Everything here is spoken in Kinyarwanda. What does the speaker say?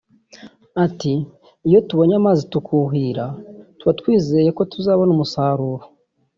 ati “Iyo tubonye amazi tukuhira tuba twizeye ko tuzabona umusaruro